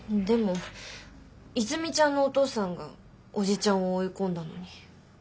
でも和泉ちゃんのお父さんがおじちゃんを追い込んだのに。